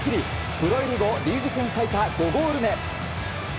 プロ入り後、リーグ戦最多５ゴール目。